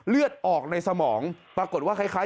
เลือดออกในสมองปรากฏว่าคล้าย